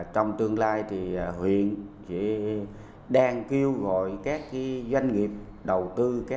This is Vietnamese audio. trong tương lai thì huyện đang kêu gọi các doanh nghiệp đầu tư